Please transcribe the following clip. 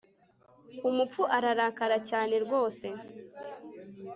umupfu ararakara cyane rwose